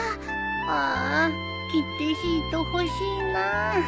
ああ切手シート欲しいな。